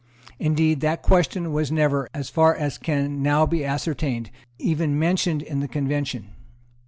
Indeed, that question was never, as far as can now be ascertained, even mentioned in the Convention.